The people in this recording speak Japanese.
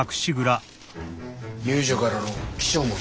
遊女からの起請文だ。